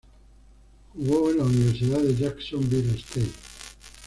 Jugo en la universidad de Jacksonville State.